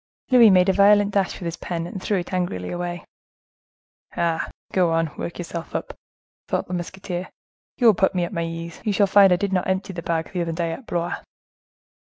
Louis made a violent dash with his pen, and threw it angrily away. "Ah! go on, work yourself up!" thought the musketeer; "you will put me at my ease. You shall find I did not empty the bag, the other day, at Blois."